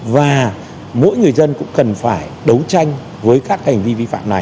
và mỗi người dân cũng cần phải đấu tranh với các hành vi